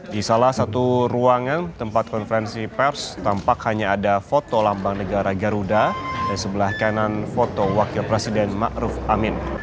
di salah satu ruangan tempat konferensi pers tampak hanya ada foto lambang negara garuda di sebelah kanan foto wakil presiden ⁇ maruf ⁇ amin